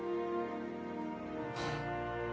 はあ。